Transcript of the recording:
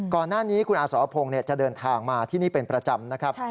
ก่อนหน้านี้คุณอาสรพงศ์จะเดินทางมาที่นี่เป็นประจำนะครับ